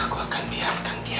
aku akan biarkan dia